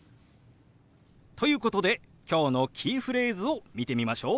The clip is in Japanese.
ということで今日のキーフレーズを見てみましょう。